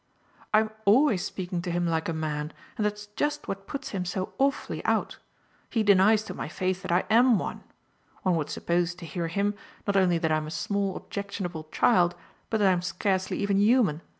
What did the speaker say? "I'm ALWAYS speaking to him like a man, and that's just what puts him so awfully out. He denies to my face that I AM one. One would suppose, to hear him, not only that I'm a small objectionable child, but that I'm scarcely even human.